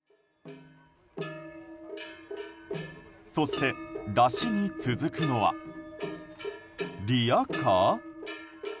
そして山車に続くのはリヤカー？